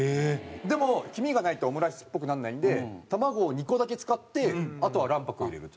でも黄身がないとオムライスっぽくならないんで卵を２個だけ使ってあとは卵白を入れる。